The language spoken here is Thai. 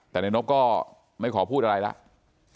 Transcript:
แต่น้องนกก็ไม่ขาวพูดอะไรแล้ว